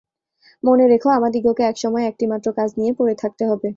মনে রেখো, আমাদিগকে এক সময় একটিমাত্র কাজ নিয়ে পড়ে থাকতে হবে।